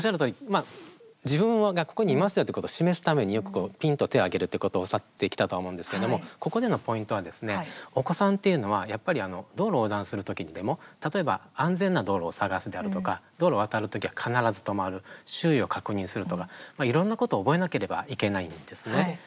自分がここにいますよということを示すためによくピンと手を上げることを教わってきたと思うんですけどもここでのポイントはお子さんというのは、やっぱり道路を横断するときにでも例えば安全な道路を探すであるとか道路を渡るときは必ず止まる周囲を確認するとかいろんなことを覚えなければいけないんですね。